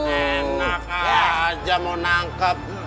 enak aja mau nangkep